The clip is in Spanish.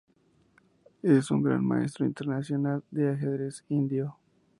Es un Gran Maestro Internacional de ajedrez indio.